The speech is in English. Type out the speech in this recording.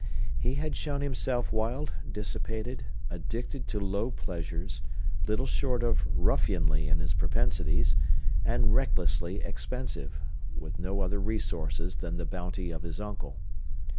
He had shown himself wild, dissipated, addicted to low pleasures, little short of ruffianly in his propensities, and recklessly expensive, with no other resources than the bounty of his uncle.